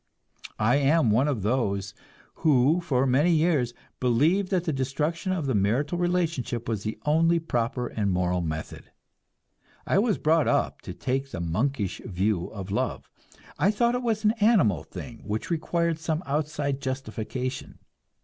I am one of those who for many years believed that the destruction of the marital relationship was the only proper and moral method. I was brought up to take the monkish view of love. I thought it was an animal thing which required some outside justification.